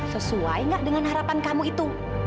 sesuai nggak dengan harapan kamu itu